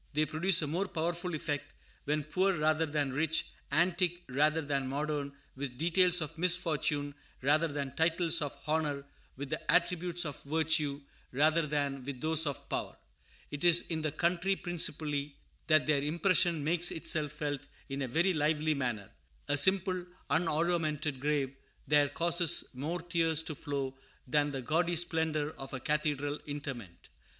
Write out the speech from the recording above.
They produce a more powerful effect when poor rather than rich, antique rather than modern, with details of misfortune rather than titles of honor, with the attributes of virtue rather than with those of power. It is in the country principally that their impression makes itself felt in a very lively manner. A simple, unoruamented grave there causes more tears to flow than the gaudy splendor of a cathedral interment.